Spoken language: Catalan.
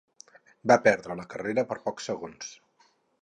Va perdre la carrera per pocs segons.